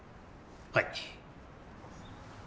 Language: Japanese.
はい。